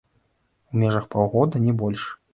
У межах паўгода, не больш.